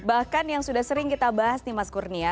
bahkan yang sudah sering kita bahas nih mas kurnia